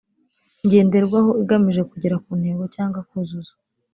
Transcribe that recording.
ngenderwaho igamije kugera ku ntego cyangwa kuzuza